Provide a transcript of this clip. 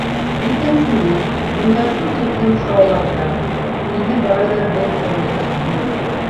Икенсенән, унда шул тиклем шаулайҙар, һине барыбер бер кем дә ишетмәй.